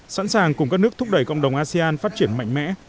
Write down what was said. sẵn sàng cùng các nước thúc đẩy cộng đồng asean phát triển mạnh mẽ